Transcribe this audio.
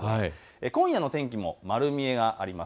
今夜の天気も丸見えがあります。